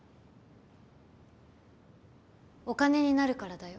お金になるからだよ。